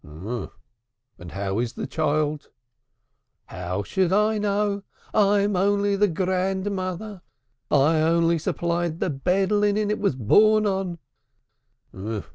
"And how is the child?" "How should I know? I am only the grandmother, I only supplied the bed linen it was born on."